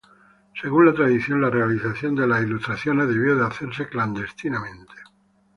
Según la tradición, la realización de las ilustraciones debió hacerse clandestinamente.